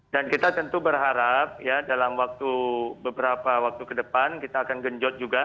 dan kita tentu berharap ya dalam waktu beberapa waktu ke depan kita akan genjot juga